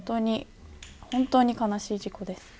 本当に悲しい事故です。